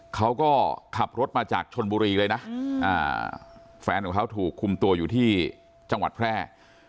เขาก็ขับรถมาจากชนบุรีเลยนะแฟนของเขาถูกคุมตัวอยู่ที่จังหวัดแพร่